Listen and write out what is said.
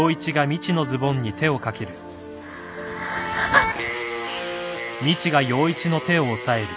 あっ！